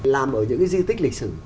làm ở những cái di tích lịch sử